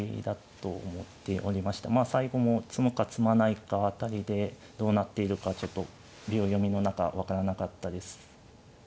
まあ最後も詰むか詰まないか辺りでどうなっているかちょっと秒読みの中分からなかったです。